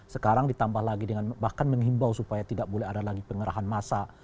sekarang ditambah lagi dengan bahkan menghimbau supaya tidak boleh ada lagi pengerahan masa